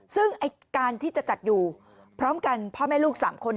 ซึ่งการที่จะจัดอยู่พร้อมกันพ่อแม่ลูก๓คน